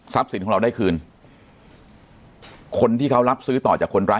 สินของเราได้คืนคนที่เขารับซื้อต่อจากคนร้าย